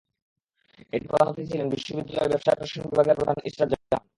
এতে প্রধান অতিথি ছিলেন বিশ্ববিদ্যালয়ের ব্যবসায় প্রশাসন বিভাগের প্রধান ইসরাত জাহান।